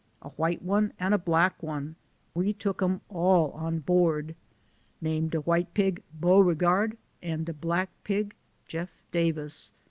a white one, an' a black one; we took 'em all on board ; named de white ] ng Beaurcgard, an 1 de black pig Jeff Davis.